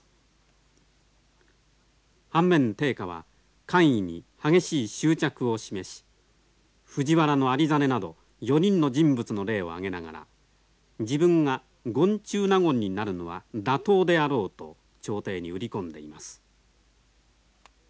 反面定家は官位に激しい執着を示し藤原有実など４人の人物の例を挙げながら自分が権中納言になるのは妥当であろうと朝廷に売り込んでいます。